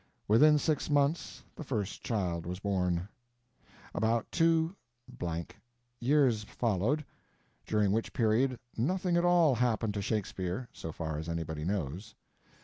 Within six months the first child was born. About two (blank) years followed, during which period nothing at all happened to Shakespeare, so far as anybody knows.